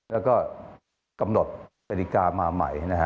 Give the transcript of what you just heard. แล้วก็กำหนดนาฬิกามาใหม่